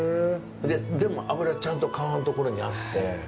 でも、脂、ちゃんと皮のところにあって。